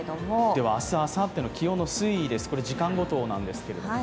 明日、あさっての気温の推移です時間ごとなんですけどもね。